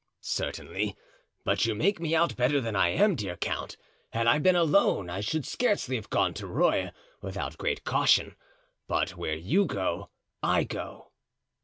"Certainly—but you make me out better than I am, dear count. Had I been alone I should scarcely have gone to Rueil without great caution. But where you go, I go."